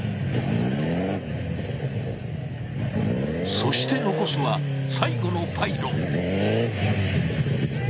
そして残すは最後のパイロン。